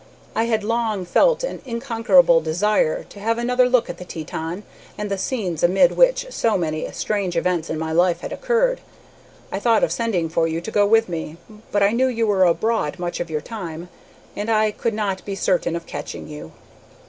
I had long felt an unconquerable desire to have another look at the Teton and the scenes amid which so many strange events in my life had occurred. I thought of sending for you to go with me, but I knew you were abroad much of your time, and I could not be certain of catching you.